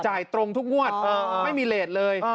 ตรงทุกงวดไม่มีเลสเลย